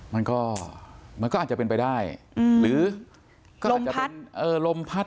มันก็มันก็อาจจะเป็นไปได้หรือก็อาจจะเป็นลมพัด